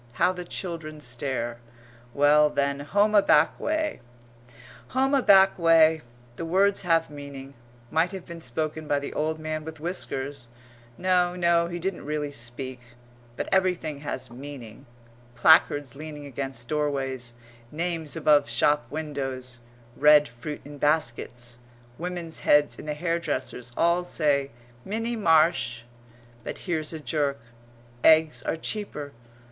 How the children stare! Well, then home a back way "Home a back way!" The words have meaning; might have been spoken by the old man with whiskers no, no, he didn't really speak; but everything has meaning placards leaning against doorways names above shop windows red fruit in baskets women's heads in the hairdresser's all say "Minnie Marsh!" But here's a jerk. "Eggs are cheaper!"